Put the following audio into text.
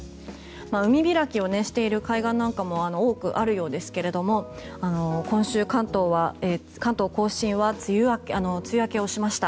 海開きをしている海岸なんかも多くあるようですけれども今週、関東・甲信は梅雨明けをしました。